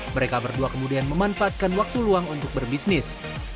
mereka berdua kemudian memanfaatkan waktu luang untuk berbisnis